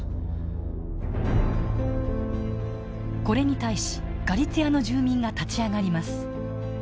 これに対しガリツィアの住民が立ち上がります。